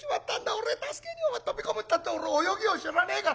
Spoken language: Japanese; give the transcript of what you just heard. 俺助けに飛び込むたって俺泳ぎを知らねえから。